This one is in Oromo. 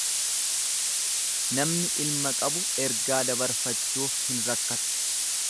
Namni ilma qabu ergaa dabarfachuuf hin rakkatu.